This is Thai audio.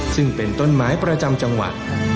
ซึ่งเป็นต้นไม้ประจำจังหวัด